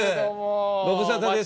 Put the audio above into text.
ご無沙汰です。